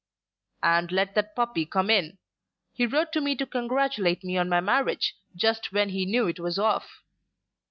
"And let that puppy come in! He wrote to me to congratulate me on my marriage, just when he knew it was off."